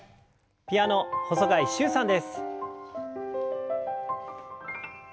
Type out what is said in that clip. ピアノ細貝柊さんです。